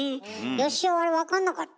よしおはあれわかんなかった？